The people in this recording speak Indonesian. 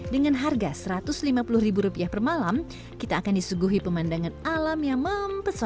dengan harga rp satu ratus lima puluh per malam kita akan disuguhi pemandangan alam yang mempesona